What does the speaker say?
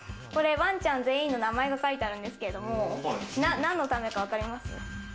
ワンちゃん全員の名前が書いてるんですけど、何のためかわかりますか？